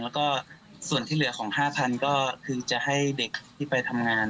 แล้วก็ส่วนที่เหลือของ๕๐๐ก็คือจะให้เด็กที่ไปทำงาน